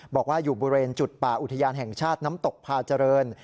บอกว่าอยู่บริเวณจุดป่าอุทยานแห่งชาติน้ำตกพาเจริญ